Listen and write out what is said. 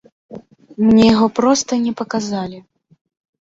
Мне яго проста не паказалі.